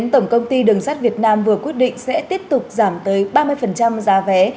tổng công ty đường sắt việt nam vừa quyết định sẽ tiếp tục giảm tới ba mươi giá vé